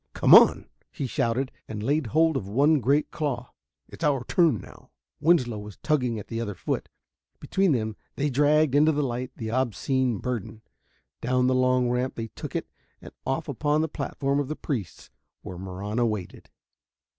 Come on!" he shouted, and laid hold of one great claw. "It's our turn now." Winslow was tugging at the other foot. Between them they dragged into the light the obscene burden. Down the long ramp they took it and off upon the platform of the priests, where Marahna waited.